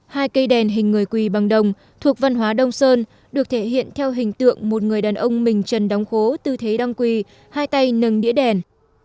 hai cây đèn hình người quỳ bằng đồng thuộc văn hóa đông sơn được thể hiện theo hình tượng một người đàn ông mình trần đóng khố tư thế đăng quỳ hai tay nâng đĩa đèn